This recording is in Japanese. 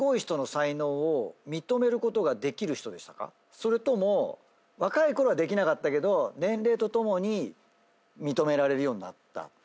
それとも若いころはできなかったけど年齢とともに認められるようになった？